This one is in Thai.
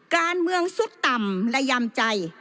การเมืองสุดต่ำและยามใจ